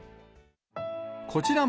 こちらも、